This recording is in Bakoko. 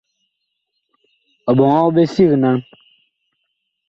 Ɔ ɓɔŋɔg ɓe sig naŋ.